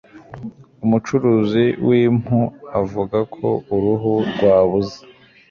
umucuruzi w'impu avuga ko uruhu rwabuze